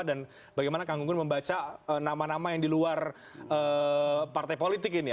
dan bagaimana kang gunggun membaca nama nama yang di luar partai politik ini ya